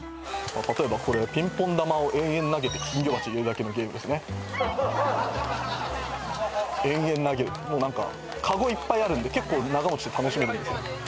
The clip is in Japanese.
例えばこれピンポン球を延々投げて金魚鉢入れるだけのゲームですね延々投げるもう何か籠いっぱいあるんで結構長持ちして楽しめるんですよ